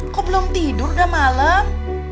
kok belum tidur udah malam